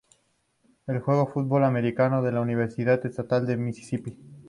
Él jugó futbol americano de la universidad estatal de Mississippi.